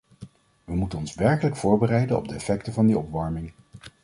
We moeten ons werkelijk voorbereiden op de effecten van die opwarming.